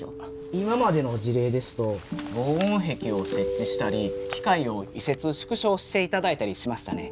今までの事例ですと防音壁を設置したり機械を移設縮小していただいたりしましたね。